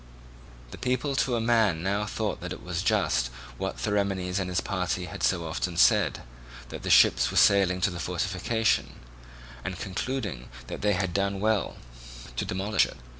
The people to a man now thought that it was just what Theramenes and his party had so often said, that the ships were sailing to the fortification, and concluded that they had done well to demolish it.